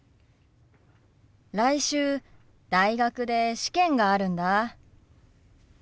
来週大学で試験があるんだ。